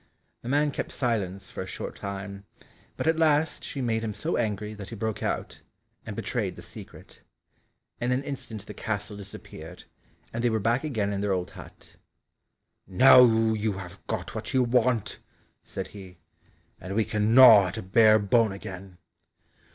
The man kept silence for a short time, but at last she made him so angry that he broke out, and betrayed the secret. In an instant the castle disappeared, and they were back again in their old hut. "Now you have got what you want," said he; "and we can gnaw at a bare bone again."